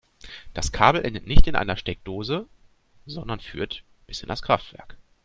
Das Kabel endet nicht in einer Steckdose, sondern führt bis in das Kraftwerk.